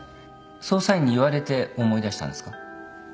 捜査員に言われて思い出したんですか？